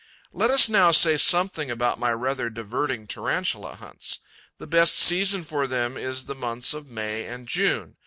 'Let us now say something about my rather diverting Tarantula hunts. The best season for them is the months of May and June.